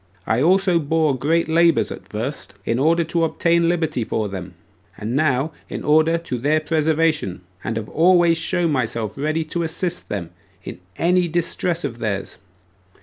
I also bore great labors at first, in order to obtain liberty for them, and now in order to their preservation; and have always showed myself ready to assist them in every distress of theirs.